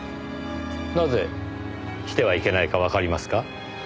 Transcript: なぜしてはいけないかわかりますか？